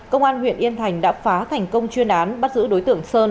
công an huyện yên thành đã phá thành công chuyên án bắt giữ đối tượng sơn